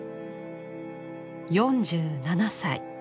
４７歳。